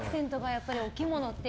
やっぱり、お着物って。